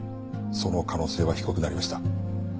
その可能性は低くなりました。